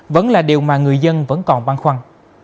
vẫn là điều mà người dân vẫn còn băn khoăn